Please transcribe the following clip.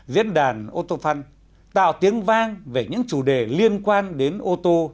diễn đàn autofun tạo tiếng vang về những chủ đề liên quan đến ô tô